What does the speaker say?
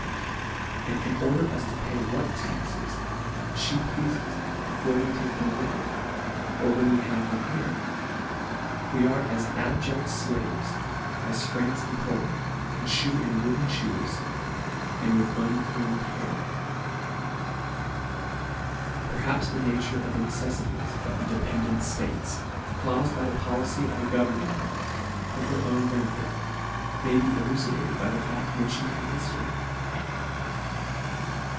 25 want, and can order us to pay what taxes fhe pleafes before we take them away, or when we have them here, we are as abject flaves, as France and Poland can fliew in wooden fhoes, and with uncombed hair. c Perhaps the nature of the neceffities of the dependant ftates, caufed by the policy of a governing one, for her own benefit, may be elucidated by a fact: mentioned in hiftory.